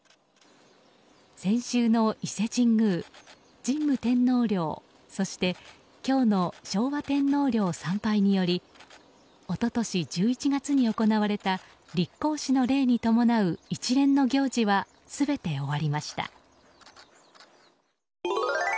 先週の伊勢神宮神武天皇陵、そして今日の昭和天皇陵参拝により一昨年１１月に行われた立皇嗣の礼に伴う一連の行事は全て終わりました。